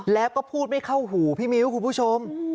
แล้วก็พูดไม่เข้าหูพี่มิ้วคุณผู้ชม